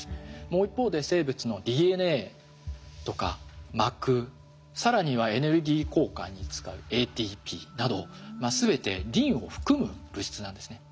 もう一方で生物のＤＮＡとか膜更にはエネルギー交換に使うＡＴＰなど全てリンを含む物質なんですね。